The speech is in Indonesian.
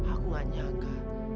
aku gak nyangka